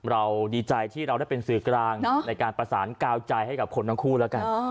เราดีใจที่เราได้เป็นสื่อกลางในการประสานกาวใจให้กับคนทั้งคู่แล้วกัน